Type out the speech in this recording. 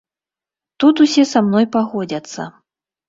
Тут усе са мной пагодзяцца.